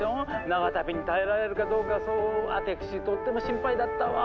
長旅に耐えられるかどうかそうアテクシとっても心配だったわ。